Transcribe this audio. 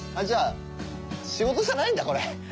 じゃあ仕事じゃないんだこれ。